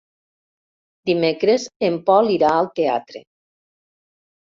Dimecres en Pol irà al teatre.